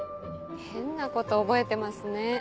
変なこと覚えてますね。